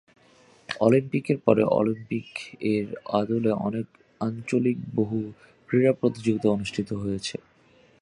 অলিম্পিকের পরে অলিম্পিক এর আদলে অনেক আঞ্চলিক বহু-ক্রীড়া প্রতিযোগিতা প্রতিষ্ঠিত হয়েছে।